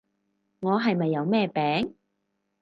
我係咪有咩病？